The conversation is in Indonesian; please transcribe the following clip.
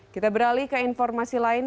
kita beralih ke informasi lain